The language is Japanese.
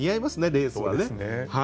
レースはね。